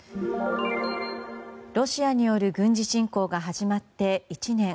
ロシアによる軍事侵攻が始まって１年。